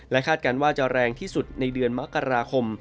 คาดการณ์ว่าจะแรงที่สุดในเดือนมกราคม